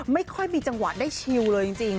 ไม่ค่อยมีจังหวะได้ชิลเลยจริง